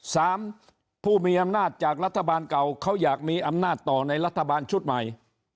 สามผู้มีอำนาจจากรัฐบาลเก่าเขาอยากมีอำนาจต่อในรัฐบาลชุดใหม่